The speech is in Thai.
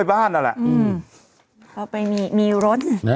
เขาไปมีรถ